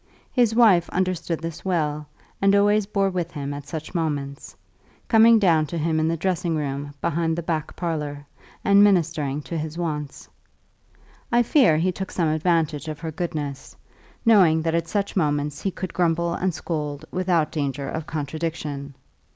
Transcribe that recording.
His wife understood this well, and always bore with him at such moments, coming down to him in the dressing room behind the back parlour, and ministering to his wants. I fear he took some advantage of her goodness, knowing that at such moments he could grumble and scold without danger of contradiction.